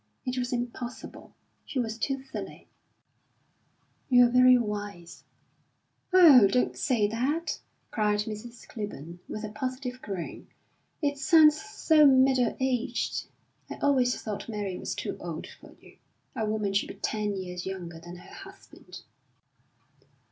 It was impossible, she was too silly. "You're very wise." "Oh, don't say that!" cried Mrs. Clibborn, with a positive groan. "It sounds so middle aged.... I always thought Mary was too old for you. A woman should be ten years younger than her husband."